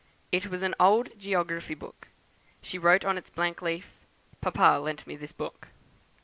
It was an old geography book; she wrote on its blank leaf, 'Papa lent me this book.'